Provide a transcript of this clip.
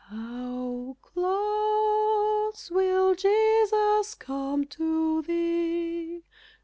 How close will Jesus come to thee?